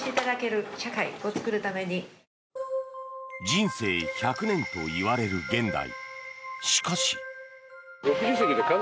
人生１００年といわれる現代。